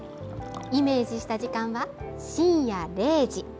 イメージした時間は深夜０時。